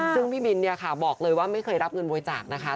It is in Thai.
ซึ่งพี่บินเนี่ยค่ะบอกเลยว่าไม่เคยรับเงินบริจาคนะคะ